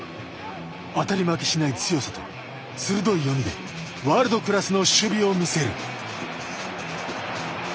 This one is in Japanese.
当たり負けしない強さと鋭い読みでワールドクラスの守備を見せる。